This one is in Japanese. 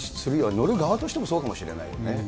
乗る側としても、そうかもしれないよね。